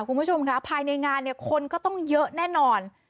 คุณผู้ชมค่ะภายในงานเนี่ยคนก็ต้องเยอะแน่นอน